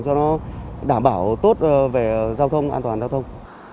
cho nó đảm bảo tốt về giao thông an toàn giao thông